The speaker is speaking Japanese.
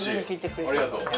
ありがとう。